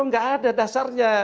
nggak ada dasarnya